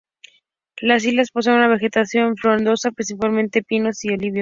Las islas poseen una vegetación frondosa, principalmente pinos y olivos.